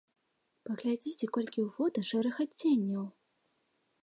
Паглядзіце, колькі ў фота шэрых адценняў!